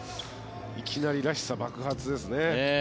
いきなり、らしさ爆発ですね。